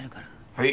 はい。